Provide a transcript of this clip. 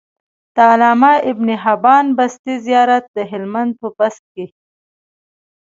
د علامه ابن حبان بستي زيارت د هلمند په بست کی